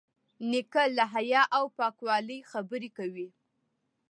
نیکه له حیا او پاکوالي خبرې کوي.